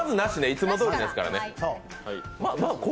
いつもどおりですからね。